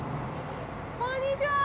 こんにちはー！